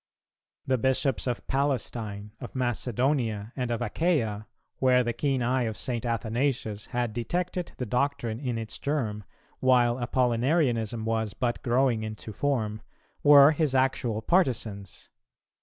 The Bishops of Palestine, of Macedonia, and of Achaia, where the keen eye of St. Athanasius had detected the doctrine in its germ, while Apollinarianism was but growing into form, were his actual partisans.